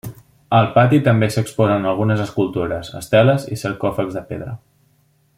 Al pati també s'exposen algunes escultures, esteles i sarcòfags de pedra.